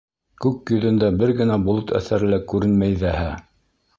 Күк йөҙөндә бер генә болот әҫәре лә күренмәй ҙәһә!